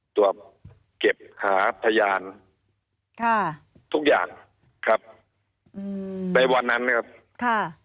ตรวจเก็บหาพยานค่ะทุกอย่างครับอืมในวันนั้นนะครับค่ะ